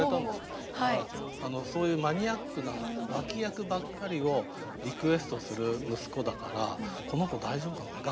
だからそういうマニアックな脇役ばっかりをリクエストする息子だからこの子大丈夫かな？